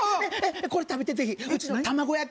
これ食べてぜひうちの卵焼き